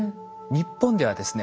日本ではですね